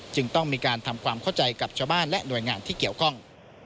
จึงต้องมีการทำความเข้าใจกับชาวบ้านและหน่วยงานที่เกี่ยวข้อง